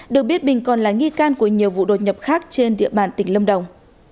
được biết bình còn là nghi can của nhiều vụ đột nhập khác trên địa bàn tỉnh lâm đồng